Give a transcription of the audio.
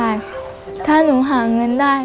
ไม่ได้ถ้าหนูหาเงินได้